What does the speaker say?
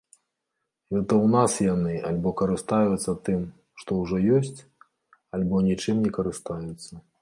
Гэта ў нас яны альбо карыстаюцца тым, што ўжо ёсць, альбо нічым не карыстаюцца.